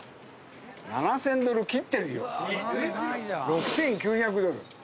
６，９００ドル。